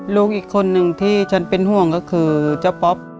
ลูกอีกคนนึงที่ฉันเป็นห่วงก็คือเจ้าป๊อป